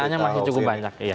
kormintaannya masih cukup banyak